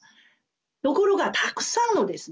ところがたくさんのですね